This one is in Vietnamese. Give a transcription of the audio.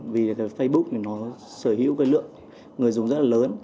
vì facebook nó sở hữu cơ lượng người dùng rất là lớn